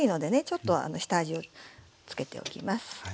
ちょっと下味をつけておきます。